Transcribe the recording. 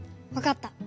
わかった！